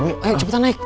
udah deh cepetan naik